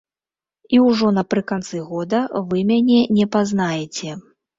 І ўжо напрыканцы года вы мяне не пазнаеце.